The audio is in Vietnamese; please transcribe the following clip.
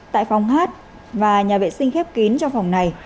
tại phòng hát và nhà vệ sinh khép kín cho phòng này